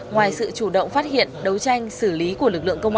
ngoài sự chủ động phát hiện đấu tranh xử lý của lực lượng công an